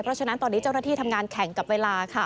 เพราะฉะนั้นตอนนี้เจ้าหน้าที่ทำงานแข่งกับเวลาค่ะ